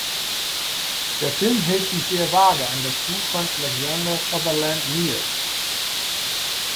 Der Film hält sich sehr vage an das Buch von Alexander Sutherland Neill.